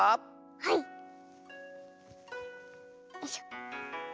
はい！よいしょ。